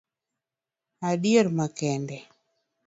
Adieri makende